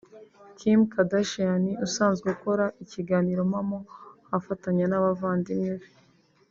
Kim Kardashian usanzwe ukora ikiganiro mpamo afatanya n’abavandimwe be